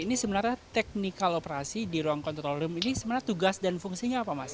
ini sebenarnya teknikal operasi di ruang kontrol room ini sebenarnya tugas dan fungsinya apa mas